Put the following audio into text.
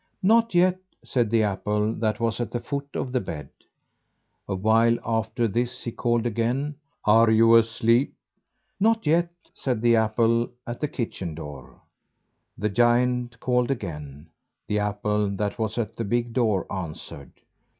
"Not yet," said the apple that was at the foot of the bed. A while after this he called again: "Are your asleep?" "Not yet," said the apple at the kitchen door. The giant called again. The apple that was at the big door answered.